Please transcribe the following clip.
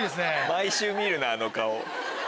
毎週見るなぁあの顔。